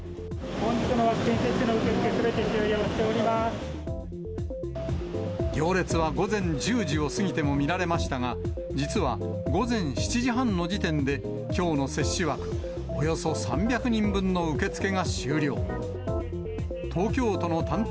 本日のワクチン接種の受け付行列は午前１０時を過ぎても見られましたが、実は午前７時半の時点で、きょうの接種枠およそ３００人分の受け付けが終了。